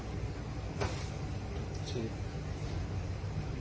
สวัสดีครับ